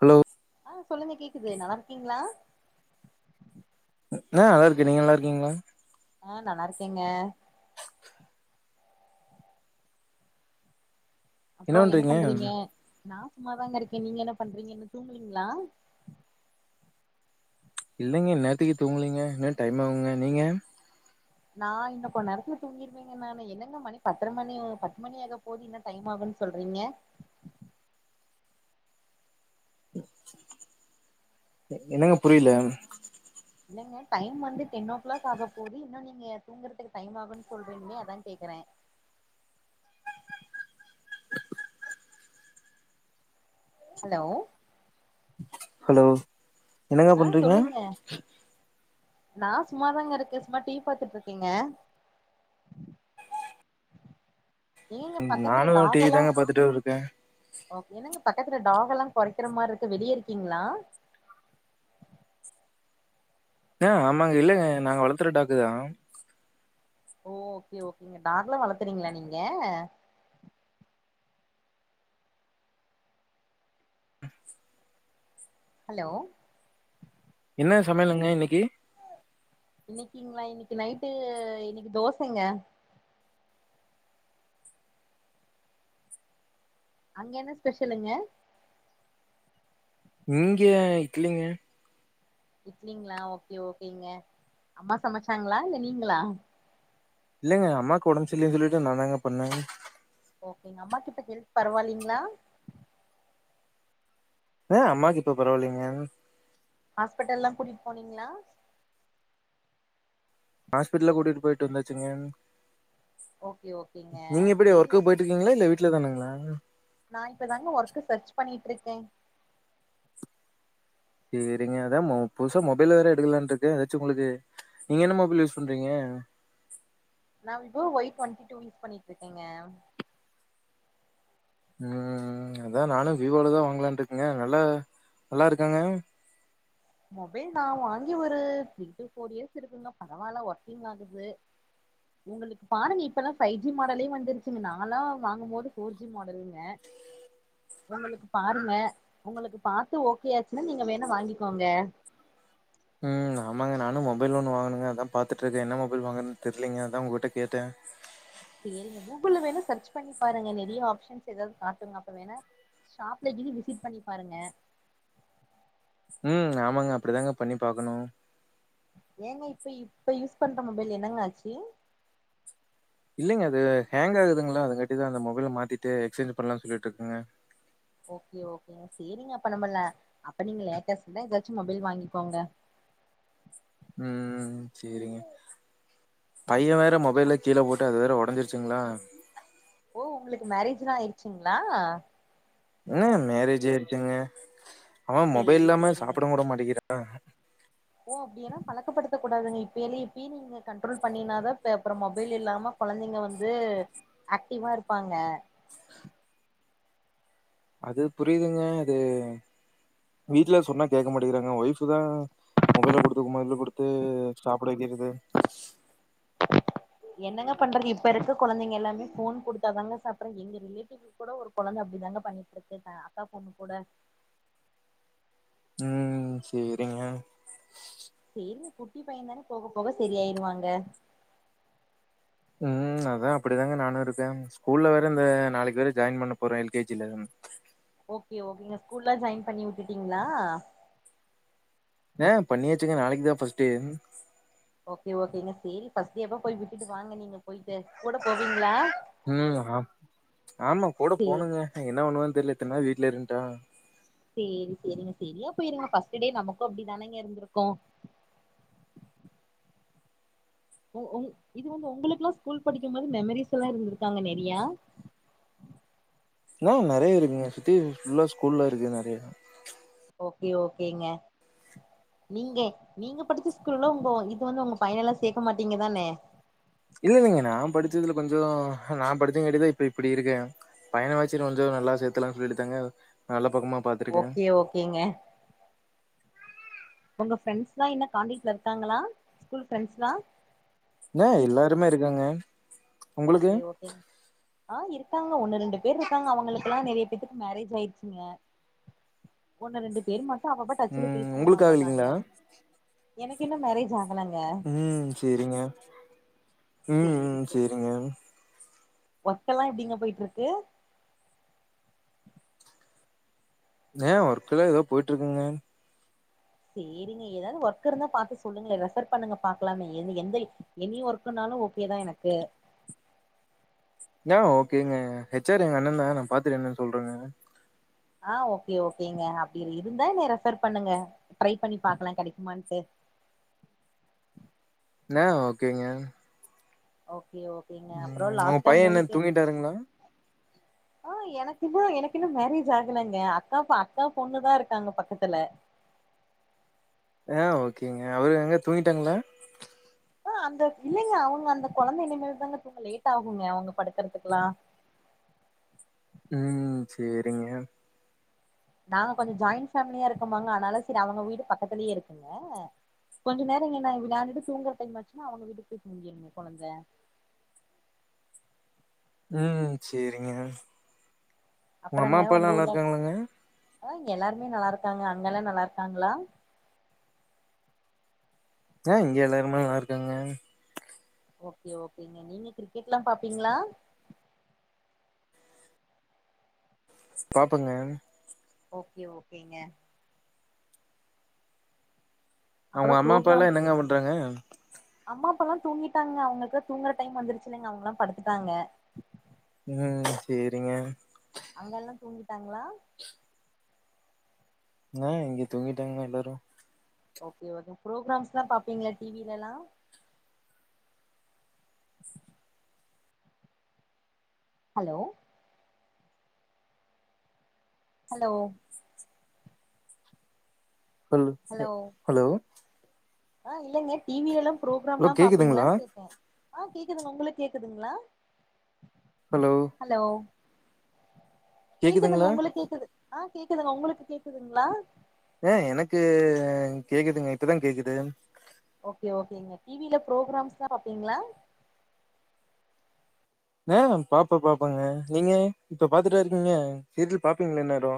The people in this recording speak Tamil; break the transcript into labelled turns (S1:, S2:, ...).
S1: ஹலோ
S2: ஆ சொல்லுங்க கேக்குது நல்லா இருக்கீங்களா
S1: ஆ நல்லா இருக்கே நீங்க நல்லா இருக்கீங்களா
S2: ஆ நல்லா இருக்கேங்க அப்பறோ என்ன பண்றீங்க நா சும்மாதாங்க இருக்கேன் நீங்க என்ன பண்றீங்க இன்னு தூங்கலீங்களா
S1: இல்லைங்க இந்நேரத்திக்கு தூங்கலீங்க இன்னு டைம் ஆகுங்க நீங்க
S2: நா இன்னு கொந்நேரத்துல தூங்கிருவங்க நானு என்னங்க மணி பத்தர மணி பத்து மணி ஆக போது இன்ன டைம் ஆகுன் சொல்றீங்க
S1: என்னங்க புரில
S2: இல்லங்க டைம் வந்து டென் ஓ க்ளாக் ஆக போகுது இன்னு நீங்க தூங்குறதுக்கு டைம் ஆகும்ன் சொல்றீங்களே அதா கேக்ற ஹலோ
S1: ஹலோ என்னங்க
S2: ஆ
S1: பண்றீங்க
S2: சொல்லுங்க நா சும்மாதாங்க இருக்க சும்மா டிவி பாத்துட்டு இருக்கேங்க ஏங்க பக்கத்துல
S1: நானு டிவி
S2: டாக்கலா
S1: தாங்க பாத்துட்டு இருக்கே
S2: ஓகே என்னங்க பக்கத்துல டாக்கெல்லா குரைக்கிற மாரி இருக்கு வெளிய இருக்கீங்களா
S1: ஆ ஆமாங்க இல்லங்க நாங்க வளர்த்துற டாக்கு தா
S2: ஓ ஓகே ஓகேங்க டாக்கெல்லா வளர்த்துறீங்களா நீங்க ஹலோ
S1: என்ன சமையலுங்க இன்னைக்கு
S2: இன்னைக்கிங்ளா இன்னைக்கு நைட்டு இன்னைக்கு தோசங்க அங்க என்ன ஸ்பெஷலுங்க
S1: இங்க இட்லிங்க
S2: இட்லிங்ளா ஓகே ஓகேங்க அம்மா சமைச்சாங்களா இல்ல நீங்ளா
S1: இல்லைங்க அம்மாக்கு உடம்பு சரியில்லனு சொல்லிட்டு நா தாங்க பண்ண
S2: ஓகேங்க அம்மாகிப்ப ஹெல்த் பரவால்லிங்ளா
S1: ஆ அம்மாக்கு இப்போ பரவால்லைங்க
S2: ஹாஸ்பிட்டல்லா கூட்டிட் போனீங்ளா
S1: ஹாஸ்பிடல்லா கூட்டிட்டு போய்ட்டு வந்தாச்சுங்க
S2: ஓகே ஓகேங்க தெரியு
S1: வெளியங்களா இல்ல வீட்ல தானுங்ளா
S2: நா இப்பதாங்க ஒர்க்கு சர்ச் பண்ணிட்டு இருக்கே
S1: செரிங்க அதா புதுசா மொபைல் வேற எடுக்கலான்ருக்கே எதாச்சு உங்களுக்கு நீங்க என்ன மொபைல் யூஸ் பண்றீங்க
S2: நா இப்போ ஒய் டு்வெண்டி டூ யூஸ் பண்ணிட்டு இருக்கேங்க
S1: ம் அதா நானு விவோல தா வாங்கலான் இருக்கங்க அதனால நல்லாருக்காங்க
S2: மொபைல் நா வாங்கி ஒரு த்ரீ டு ஃபோர் இயர்ஸ் இருக்குங்க பரவால்ல ஒர்க்கிங் ஆகுது உங்களுக்கு பாருங்க இப்பல்லா ஃபைவ் ஜி மாடலே வந்துருச்சுங்க நாலா வாங்குபோது ஃபோர் ஜி மாடலுங்க உங்களுக்கு பாருங்க உங்களுக்கு பாத்து ஓகே ஆச்சுன்னா நீங்க வேணா வாங்கி கோங்க
S1: ம் ஆமாங்க நானு மொபைல் ஒன்னு வாங்கனுங்க அதா பாத்துட்டு இருக்க என்ன மொபைல் வாங்கறதுன்னு தெரியலீங்க அதா உங்க கிட்ட கேட்ட
S2: சரிங்க கூகுள் வேணா சர்ச் பண்ணி பாருங்க நெறய ஆப்ஷன்ஸ் எதாவது காட்டுங்க அப்ப வேணா ஷாப்ல இனி விசிட் பண்ணி பாருங்க
S1: ம் ஆமாங்க அப்படிதாங்க பண்ணி பாக்கணு
S2: ஏங்க இப்ப இப்ப யூஸ் பண்ற மொபைல் என்னங்க ஆச்சு
S1: இல்லைங்க அது ஹேங் ஆகுதுங்களா அதுங்காட்டிதா அந்த மொபைல மாத்திட்டு எக்சேஞ் பண்ணலா சொல்லிட்டு இருக்கங்க
S2: ஓகே ஓகேங்க செரிங்க அப்போ நம்மல்ல அப்போ நீங்க லேட்டஸ்ட் தா எதாச்சு மொபைல் வாங்கிக்கோங்க
S1: ம் செரிங்க பைய வேற மொபைல்ல கீழ போட்டு அது வேற உடைஞ்சிருச்சுங்களா
S2: ஓ உங்களுக்கு மேரேஜ்லா ஆய்டுச்சுங்களா
S1: ம் மேரேஜ் ஆய்ருச்சுங்க அவ மொபைல்
S2: சேரி
S1: இல்லாம
S2: சேரிங்க
S1: சாப்டவு விட மாட்டேங்கிறா
S2: ஓ அப்டின்னா பழக்கப்படுத்தக் கூடாதுங்க இப்பைலே இப்பயே நீங்க கன்ட்ரோல் பண்ணீனாதா இப்ப அப்பறொ மொபைல் இல்லாம கொழந்தைங்க வந்து ஆக்டிவா இருப்பாங்க
S1: அது புரியுதுங்க அது வீட்ல சொன்னா கேக்க மாட்டேங்குறாங்க ஒய்ஃப்தா மொபைல குடுத்து மொபைல குடுத்து சாப்ட வைக்கிறது
S2: என்னங்க பண்றது இப்ப இருக்க கொழந்தைங்க எல்லாமே ஃபோன் குடுத்தாதாங்க சாப்புடுற எங்க ரிலேட்டிவ் இப்போ கூட ஒரு கொழந்த அப்டிதாங்க பண்ணிட்டுருக்கு அ அக்கா பொண்ணு கூட
S1: ம் செரிங்க
S2: சேரிங்க குட்டி பையந்தானே போக போக சரியாயிருவாங்க
S1: ம் அதா அப்டிதாங்க நானு இருக்கே ஸ்கூல்ல வேற இந்த நாளைக்கு வேற ஜாயின் பண்ண போறே எல் கே ஜி ல
S2: ஓகே ஓகேங்க ஸ்கூல்லா ஜாயின் பண்ணி வுட்டுட்டீங்ளா
S1: ஏ பண்ணியாச்சுங்க நாளைக்குதா ஃபஸ்ட் டே
S2: ஓகே ஓகேங்க சேரி ஃபஸ்ட்டேவ போய் விட்டுட்டு வாங்க நீங்க போய்ட்டு கூட போவீங்ளா
S1: ம் ஆம் ஆமா கூட
S2: சே
S1: போனுங்க என்ன பண்ணுவான் தெரில இத்தனாள் வீட்ல இருந்ட்டா
S2: சேரி செரிங்க செரியா போயிருங்க ஃபஸ்ட் டே நமக்கும் அப்டிதானேங்க இருந்துருக்கு உ உங் இது வந்து உங்களுக்குல்லா ஸ்கூல் படிக்கும் போது மெமரிஸ்ல்லா இருந்திருக்காங்க நெறையா
S1: ஏ நெறைய இருக்குங்க சுத்தி ஃபுல்லா ஸ்கூல்லா இருக்கு நெறைய
S2: ஓகே ஓகேங்க நீங்க நீங்க படிச்ச ஸ்கூல்ல ஒங்கோ இது வந்து உங்க பையல்லா சேக்க மாட்டீங்கதானே
S1: இல்ல இல்லங்க நா படிச்சதுல கொஞ்சோ நா படிச்சங்காட்டிதா இப்ப இப்டி இருக்கே பையனவாச்சி கொஞ்சோ நல்லா சேத்தலானு சொல்லிட்டுத்தாங்க நல்ல பக்கமா பாத்துருக்கே.
S2: ஓகே ஓகேங்க உங்க ஃப்ரெண்ட்ஸ்லா இன்னோ கான்டெக்ட்ல இருக்காங்களா ஸ்கூல் ஃப்ரெண்ட்ஸ்லா
S1: ஏ எல்லாருமே இருக்காங்க உங்களுக்கு?
S2: ஓகே ஓகேங் ஆ இருக்காங்க ஒன்னு ரெண்டு பேர் இருக்காங்க அவங்ளுக்குல்லா நெறைய பேத்துக்கு மேரேஜ் ஆயிருச்சுங்க ஒன்னு ரெண்டு பேர் மட் டு அப்பப்ப டச்சுல
S1: ம்
S2: பேசுவாங்க
S1: உங்களுக்கு
S2: அவ்ளோதாங்க
S1: ஆகலைங்களா?
S2: எனக்கு இன்னு மேரேஜ் ஆகலங்க
S1: ம் செரிங்க ம் ம் செரிங்க
S2: ஒர்க்கெல்லா எப்டிங்க பொயிட்டுருக்கு
S1: ஏ ஒர்க்கெல்லா எதோ போயிட்டு இருக்குங்க
S2: சேரிங்க எதாவ்து ஒர்க்கு இருந்தா பாத்து சொல்லுங்கள ரெஃபர் பண்ணுங்க பாக்கலாமே எது எங்களு எனி ஒர்க்குனாலு ஓகே தா எனக்கு
S1: யா ஓகேங்க ஹெச் ஆர் எங்க அண்ணந்தா நா பாத்துட்டு என்னனு சொல்றேங்க
S2: ஆ ஓகே ஓகேங்க அப்டி இருந்தா என்ன ரெஃபர் பண்ணுங்க ட்ரை பண்ணி பாக்கலா கெடைக்குமான்ட்டு
S1: ந ஓகேங்க
S2: ஓகே ஓகேங்க அப்றோ
S1: ம் உங்க
S2: லாஸ்ட்டா
S1: பையன் என்ன
S2: மூவிக்கு
S1: தூங்கிட்டாருங்களா?
S2: ஆ எனக்கு இன்னு எனக்கு இன்னு மேரேஜ் ஆகலங்க அக்காக்கு அக்கா பொண்ணுதா இருக்காங்க பக்கத்துல
S1: யா ஓகேங்க அவரு எங்க தூங்கிட்டாங்களா
S2: ஆ அந்த இல்லங்க அவங்க அந்த கொழந்த இனிமேல் தாங்க தூங்க லேட் ஆகுங்க அவங்க படுக்கறதுக்குல்லா
S1: ம் செரிங்க
S2: நாங்க கொஞ்சொ ஜாயின்ட் ஃபேமிலியா இருக்கமாங்க அனால சரி அவங்க வீடு பக்கத்துலே இருக்குங்க கொஞ்சொ நேரோ இங்குன்ன விளாண்டுட்டு தூங்கற டைம் ஆச்சுனா அவங்க வீட்டுக்கு போய் தூங்கிருங்க கொழந்த
S1: ம் சேரிங்க உங்க அம்மா
S2: அப்பறங்க
S1: அப்பால்லா நல்லா
S2: ஊர்ல
S1: இருக்காங்களாங்க
S2: ஆ எல்லாருமே நல்லாருக்காங்க அங்கல்லா நல்லாருக்காங்களா
S1: ஆ இங்க எல்லாருமே நல்லா இருக்காங்க
S2: ஓகே ஓகேங்க நீங்க கிரிக்கெட்லா பாப்பீங்ளா
S1: பாப்பங்க
S2: ஓகே ஓகேங்க
S1: அவ்ங்க
S2: அப்பறோ
S1: அம்மா
S2: ப்ரோக்ராம்
S1: அப்பாலா என்னங்க பண்றாங்க
S2: அம்மா அப்பாலா தூங்கிட்டாங்க அவ்ங்களுக்குலா தூங்குற டைம் வந்துருச்சுல்லங்க அவ்ங்களா படுத்துட்டாங்க
S1: ம் சேரிங்க
S2: அங்கெல்லா தூங்கிட்டாங்ளா
S1: ஆ இங்க தூங்கிட்டாங்க எல்லாரு
S2: ஓகே எது ப்ரோகிராம்ஸ்லா பாப்பீங்களா டி வி லலா ஹலோ ஹலோ
S1: ம்
S2: ஹலோ
S1: சேர் ஹலோ
S2: ஆ இல்லங்க டி வி எல்லா
S1: ஹலோ
S2: ப்ரோகிராம்லா
S1: கேக்குதுங்களா?
S2: பாப்பீங்ளான் கேட்டே ஆ கேக்குதுங்க உங்களுக்கு கேக்குதுங்ளா
S1: ஹலோ
S2: ஹலோ கேக்குதுங்க
S1: கேக்குதுங்களா?
S2: உங்களுக் கேக்குது ஆ கேக்குதுங்க உங்களுக்கு கேக்குதுங்ளா
S1: ஏ எனக்கு அ கேக்குதுங்க இப்ப தா கேக்குது
S2: ஓகே ஓகேங்க டி வி ல ப்ரோகிராம்ஸ்லா பாப்பீங்ளா
S1: நா பாப்ப பாப்பாங்க நீங்க இப்ப பாத்துட்டா இருக்கீங்க சீரியல் பாப்பீங்ளே இன்நேர